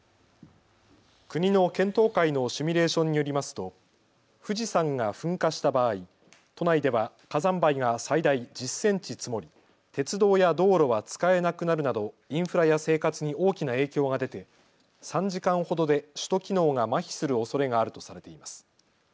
国の検討会のシミュレーションによりますと富士山が噴火した場合、都内では火山灰が最大１０センチ積もり、鉄道や道路は使えなくなるなどインフラや生活に大きな影響が出て３時間ほどで首都機能がまひするおそれがあるとされています。